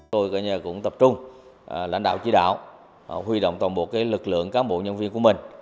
tôi cũng tập trung lãnh đạo chỉ đạo huy động toàn bộ lực lượng cán bộ nhân viên của mình